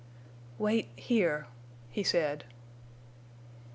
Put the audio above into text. "Wait—here," he said.